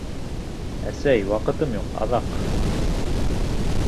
Әсәй, ваҡытым юҡ, аҙаҡ!